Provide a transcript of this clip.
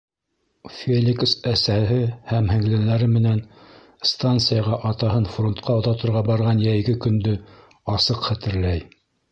Феликс әсәһе һәм һеңлеләре менән станцияға атаһын фронтҡа оҙатырға барған йәйге көндө асыҡ хәтерләй.